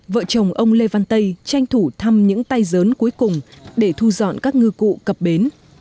vợ chồng ông lê văn tây tranh thủ thăm những tay giớn cuối cùng để thu dọn các ngư cụ cập bến